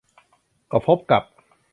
ก็พบกับ